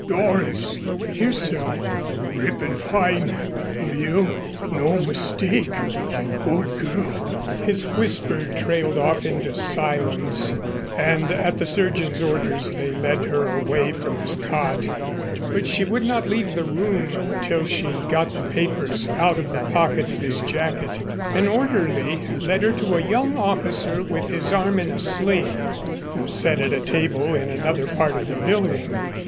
"Doris." "Here, Cyril." "Rippin' fine of you no mistake old girl " His whisper trailed off into silence and at the surgeon's orders they led her away from his cot, but she would not leave the room until she got the papers out of the pocket of his jacket. An orderly led her to a young officer with his arm in a sling who sat at a table in another part of the building.